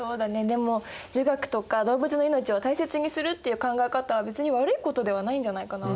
でも儒学とか動物の命を大切にするっていう考え方は別に悪いことではないんじゃないかな。